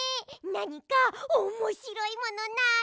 なにかおもしろいものない？